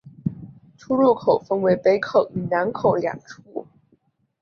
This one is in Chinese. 出入口分为北口与南口两处。